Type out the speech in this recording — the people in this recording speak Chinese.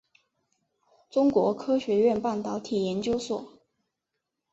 中国科学院半导体研究所。